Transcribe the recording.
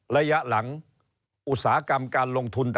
ระยะหลังอุตสาหกรรมการลงทุน